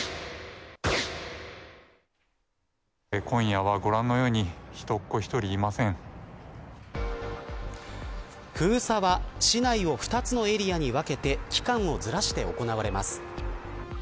今夜はご覧のように人封鎖は、市内を２つのエリアに分けて期間をずらして行われます。